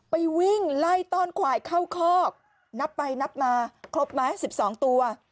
วิ่งไล่ต้อนควายเข้าคอกนับไปนับมาครบไหม๑๒ตัว